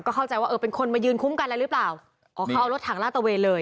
เข้าใจว่าเออเป็นคนมายืนคุ้มกันอะไรหรือเปล่าอ๋อเขาเอารถถังลาดตะเวนเลย